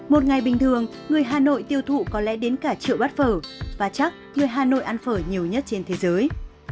một ngày bình thường người hà nội tiêu thụ có lẽ đến cả triệu bát phở và chắc người hà nội ăn phở nhiều nhất trên thế giới